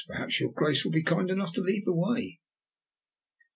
"Perhaps your Grace will be kind enough to lead the way."